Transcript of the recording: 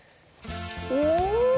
お！